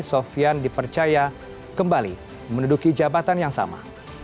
sofian dipercaya kembali menduduki jabatan yang sama